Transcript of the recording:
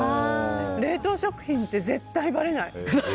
冷凍食品って絶対ばれない。